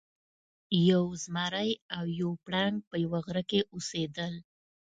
یو زمری او یو پړانګ په یوه غار کې اوسیدل.